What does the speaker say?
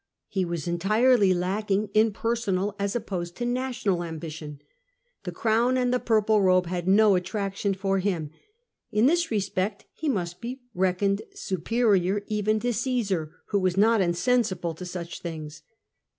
He was entirely lacking in personal as opposed to national ambition: the crown and the purple robe had no attraction for him ; in this respect he must be reckoned superior even to Caesar, who was not insensible to such things.